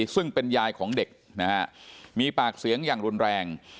ซึ่งเป็นยายของเด็กนะฮะมีปากเสียงอย่างรุนแรง